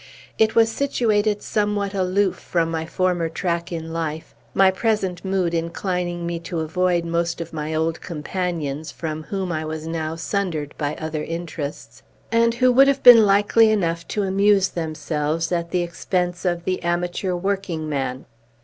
It was situated somewhat aloof from my former track in life; my present mood inclining me to avoid most of my old companions, from whom I was now sundered by other interests, and who would have been likely enough to amuse themselves at the expense of the amateur workingman.